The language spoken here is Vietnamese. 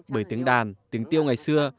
bởi tiếng đàn tiếng tiêu ngày xưa